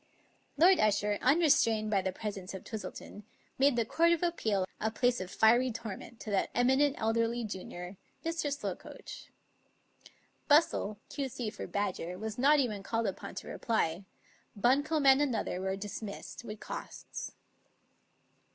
Lord Usher, unrestrained by the pres ence of Twistleton, made the Court of Appeal a place of fiery torment to that eminent elderly junior, Mr. Slokoach. Bustle, Q,C. for Badger, was not even called upon to reply; Buncombe and Another were dismissed, with costs.